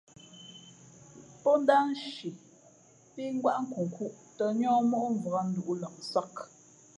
Pó ndáh nshi pí ngwáʼ nkunkhūʼ tᾱ níά móʼ mvǎk nduʼ lamsāk.